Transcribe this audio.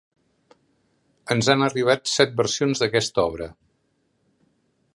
Ens han arribat set versions d'aquesta obra.